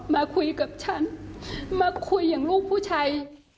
มาคุยกับฉันมาคุยอย่างลูกผู้ชาย